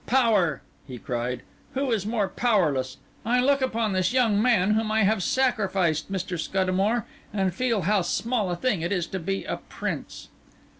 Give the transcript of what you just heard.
Power!" he cried; "who is more powerless? I look upon this young man whom I have sacrificed, Mr. Scuddamore, and feel how small a thing it is to be a Prince."